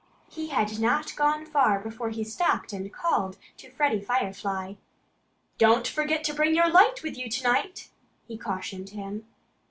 He had not gone far before he stopped and called to Freddie Firefly. "Don't forget to bring your light with you to night!" he cautioned him.